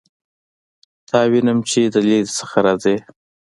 تا وینم چې د لیرې څخه راځې